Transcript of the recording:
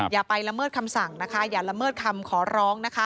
อย่าไปละเมิดคำสั่งนะคะอย่าละเมิดคำขอร้องนะคะ